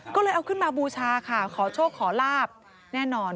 ก็เลยเอาขึ้นมาบูชาค่ะขอโชคขอลาบแน่นอน